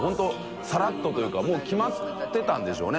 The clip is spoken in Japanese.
榲さらっとというかもう決まってたんでしょうね。